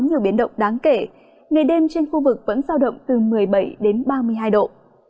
nhiều biến động đáng kể ngày đêm trên khu vực vẫn giao động từ một mươi bảy đến ba mươi hai độ